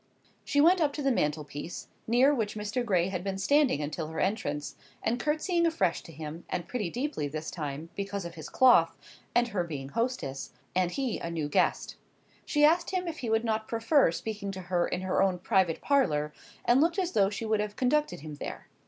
She went up to the mantelpiece, near which Mr. Gray had been standing until her entrance, and curtseying afresh to him, and pretty deeply this time, because of his cloth, and her being hostess, and he, a new guest. She asked him if he would not prefer speaking to her in her own private parlour, and looked as though she would have conducted him there.